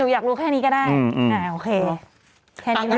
อยากรู้แค่นี้ก็ได้โอเค